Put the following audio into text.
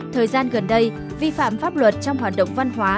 thời gian gần đây vi phạm pháp luật trong hoạt động văn hóa